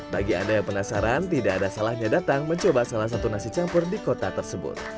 bagi anda yang penasaran tidak ada salahnya datang mencoba salah satu nasi campur di kota tersebut